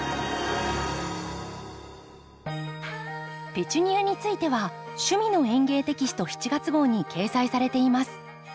ペチュニアについては「趣味の園芸」テキスト７月号に掲載されています。